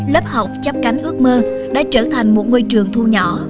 lớp học chấp cánh ước mơ đã trở thành một ngôi trường thu nhỏ